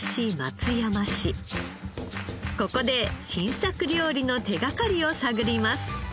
ここで新作料理の手がかりを探ります。